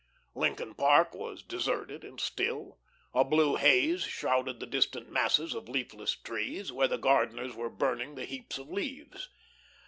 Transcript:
Lincoln Park was deserted and still; a blue haze shrouded the distant masses of leafless trees, where the gardeners were burning the heaps of leaves.